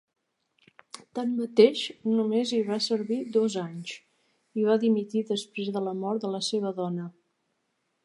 Tanmateix, només hi va servir dos anys i va dimitir després de la mort de la seva dona.